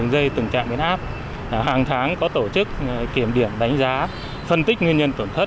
và các trạm biến áp hơn